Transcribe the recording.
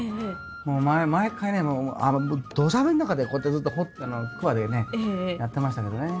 もう毎回ねもうどしゃ降りの中でこうやってずっとくわでねやってましたけどね。